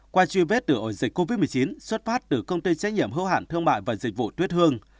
qua truy vết từ ổ dịch covid một mươi chín xuất phát từ công ty trách nhiệm hữu hạn thương mại và dịch vụ tuyết hương